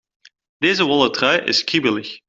Deze wollen trui is kriebelig.